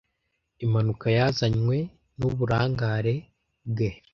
Impanuka yazanywe n'uburangare bwe.